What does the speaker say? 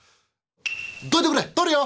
「どいてくれ通るよ！